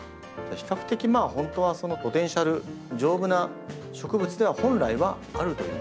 比較的まあ本当はそのポテンシャル丈夫な植物では本来はあるという。